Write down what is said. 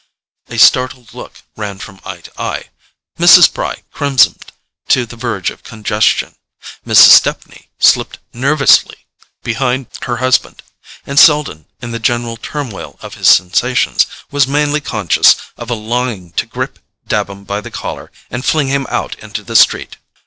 A startled look ran from eye to eye; Mrs. Bry crimsoned to the verge of congestion, Mrs. Stepney slipped nervously behind her husband, and Selden, in the general turmoil of his sensations, was mainly conscious of a longing to grip Dabham by the collar and fling him out into the street.